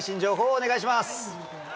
お願いします。